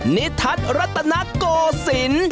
๓นิทัศน์รัตนโกสิน